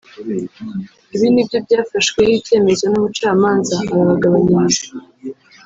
Ibi nibyo byafashweho icyemezo n’umucamanza arabagabanyiriza